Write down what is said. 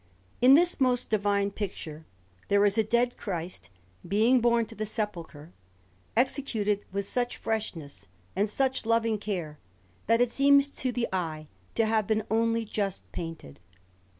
In this most divine picture there is a Dead Christ being borne to the Sepulchre, executed with such freshness and such loving care, that it seems to the eye to have been only just painted.